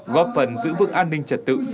góp phần giữ vững an ninh trật tự trên địa bàn tỉnh